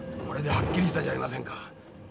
これではっきりしたじゃありませんか。